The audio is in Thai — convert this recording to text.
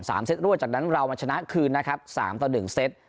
เซตรวดจากนั้นเรามาชนะคืนนะครับสามต่อหนึ่งเซต